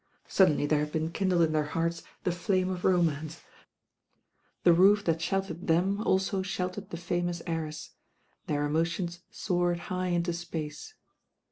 Suddenly there had been kindled in their hearts the flame of romance, the roof that sheltered them also sheltered the famous heiress. Their emotions soared high into space.